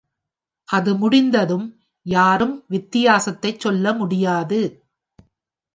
அது முடிந்ததும் யாரும் வித்தியாசத்தை சொல்ல முடியாது.